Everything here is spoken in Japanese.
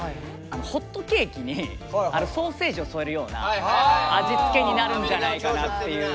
ホットケーキにソーセージを添えるような味付けになるんじゃないかなっていう。